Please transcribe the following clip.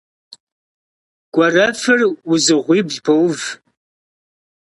Гуэрэфыр узыгъуибл поув.